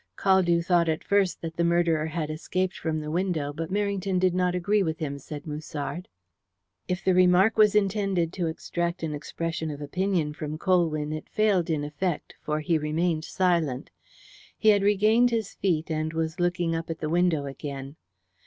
"Caldew thought at first that the murderer escaped from the window, but Merrington did not agree with him," said Musard. If the remark was intended to extract an expression of opinion from Colwyn it failed in effect, for he remained silent. He had regained his feet, and was looking up at the window again.